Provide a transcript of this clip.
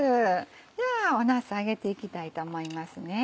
ではなす揚げていきたいと思いますね。